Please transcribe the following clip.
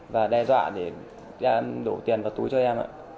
và đe dọa để đổ tiền vào túi cho em ạ